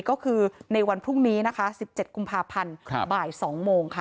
ก็คือในวันพรุ่งนี้นะคะ๑๗กุมภาพันธ์บ่าย๒โมงค่ะ